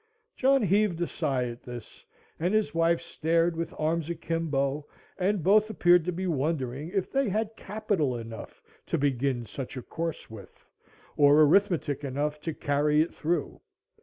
John heaved a sigh at this, and his wife stared with arms a kimbo, and both appeared to be wondering if they had capital enough to begin such a course with, or arithmetic enough to carry it through.